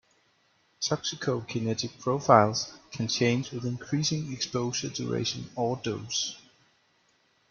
Toxicokinetic profiles can change with increasing exposure duration or dose.